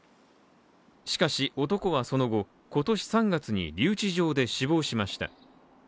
しかし、男はその後、今年３月に留置場で死亡しました。